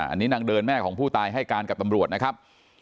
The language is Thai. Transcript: อันนี้นางเดินแม่ของผู้ตายให้การกับตำรวจนะครับ